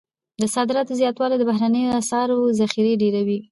د صادراتو زیاتوالی د بهرنیو اسعارو ذخیرې ډیروي.